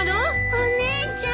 お姉ちゃん。